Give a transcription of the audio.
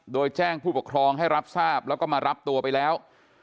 โดยแจ้งผู้ปกครองให้รับทราบแล้วก็มารับตัวไปแล้ว